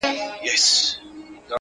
زه چي د شپې خوب كي ږغېږمه دا,